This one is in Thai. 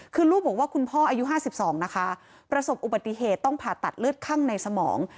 คือลูกบอกว่าคุณพ่ออายุ๕๒นะคะประสบอุบัติเหตุต้องผ่าตัดเลือดคั่งในสมอง